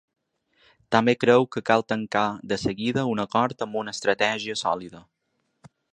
També creu que cal tancar de seguida un acord amb una estratègia sòlida.